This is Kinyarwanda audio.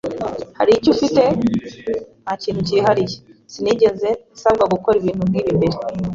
"Hari icyo ufite?" "Nta kintu cyihariye." Sinigeze nsabwa gukora ibintu nkibi mbere.